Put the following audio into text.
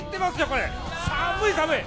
これ、寒い寒い。